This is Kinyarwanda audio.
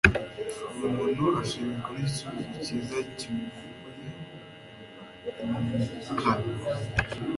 umuntu ashimishwa n'igisubizo cyiza kimuvuye mu kanwa